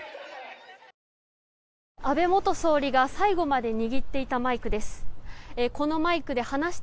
安倍元総理が最後まで握っていたマイクです。